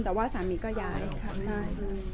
แต่ว่าสามีด้วยคือเราอยู่บ้านเดิมแต่ว่าสามีด้วยคือเราอยู่บ้านเดิม